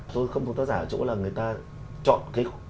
tôi không có tác giả ở chỗ là người ta chọn cái